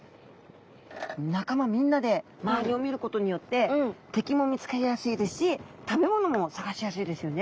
仲間みんなで周りを見ることによって敵も見つかりやすいですし食べ物も探しやすいですよね。